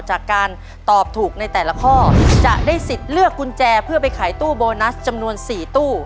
จากการตอบถูกในแต่ละข้อจะได้สิทธิ์เลือกกุญแจเพื่อไปขายตู้โบนัสจำนวน๔ตู้